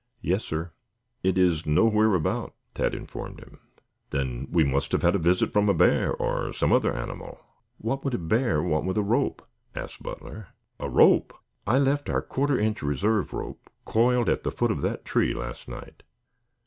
"Yes, sir. It is nowhere about," Tad informed him. "Then we must have had a visit from a bear or some other animal." "What would a bear want with a rope?" asked Butler. "A rope?" "I left our quarter inch reserve rope coiled at the foot of that tree last night.